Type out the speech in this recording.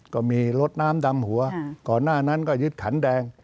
ก็มีรถน้ำดำหัวก่อนหน้านั้นก็ยึดขันแดง